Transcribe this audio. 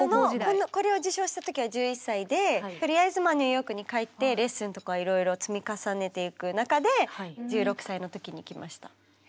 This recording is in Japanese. これを受賞した時は１１歳でとりあえずニューヨークに帰ってレッスンとかいろいろ積み重ねていく中で１６歳の時に来ました。